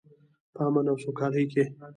په امن او سوکالۍ کې.